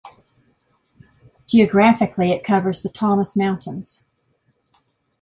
Geographically it covers the Taunus mountains.